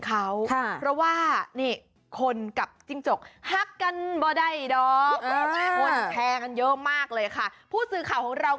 เขาบอกว่าเจอจิ้งจกเมื่อไหร่อย่าลืมแน็ตถึงเขา